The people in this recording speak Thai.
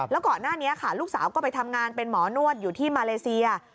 แล้วก่อนหน้านี้ค่ะลูกสาวก็ไปทำงานเป็นหมอนวดอยู่ที่มาเลเซีย